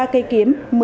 một mươi ba cây kiếm